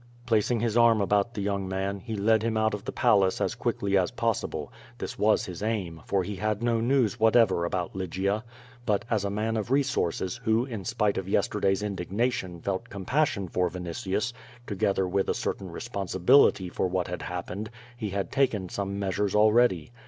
Placing his arm about the young man, he led him out of the Palace as quickly as possible. This was his aim, for he had no news whatever about Lygia. But as a man of resources, who, in spite of yesterday's indignation felt compassion for VinitiuSy together with a certain responsibility for what had happened, he had taken some measures already.